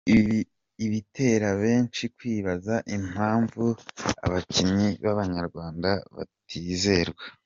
Ibi bitera beshi kwibaza impamvu abakinnyi b’Abanyarwanda batizerwa ?.